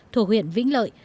thuộc huyện vĩnh lợi